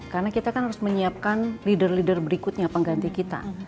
karena kita kan harus menyiapkan leader leader berikutnya pengganti kita